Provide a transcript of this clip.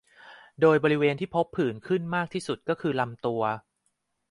โดยบริเวณที่พบผื่นขึ้นมากที่สุดคือลำตัว